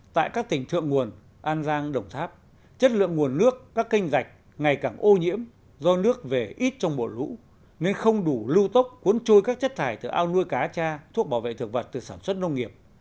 tại các tỉnh thượng nguồn an giang đồng tháp chất lượng nguồn nước các kênh rạch ngày càng ô nhiễm do nước về ít trong mùa lũ nên không đủ lưu tốc cuốn trôi các chất thải từ ao nuôi cá cha thuốc bảo vệ thực vật từ sản xuất nông nghiệp